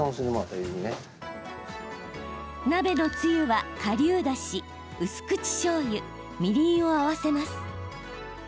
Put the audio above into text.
鍋のつゆはかりゅうだし、薄口しょうゆみりんを合わせます。